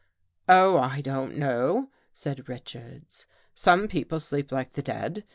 " Oh, I don't know," said Richards, " some peo ple sleep like the dead.